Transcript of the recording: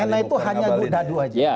nenno itu hanya dudadu aja